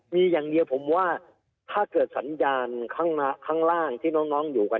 มีอย่างเดียวผมว่าถ้าเกิดสัญญาณข้างล่างที่น้องอยู่กัน